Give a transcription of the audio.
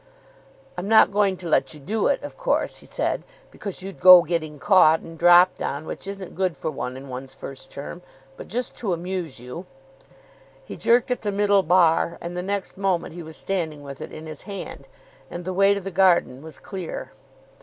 "I'm not going to let you do it, of course," he said, "because you'd go getting caught, and dropped on, which isn't good for one in one's first term; but just to amuse you " He jerked at the middle bar, and the next moment he was standing with it in his hand, and the way to the garden was clear.